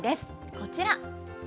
こちら。